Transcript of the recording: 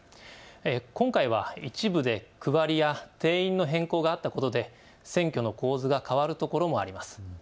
今回は一部で区割りや定員の変更があったことで選挙の構図が変わるところもあります。